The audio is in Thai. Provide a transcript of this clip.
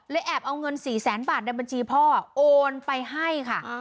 แอบเอาเงิน๔แสนบาทในบัญชีพ่อโอนไปให้ค่ะ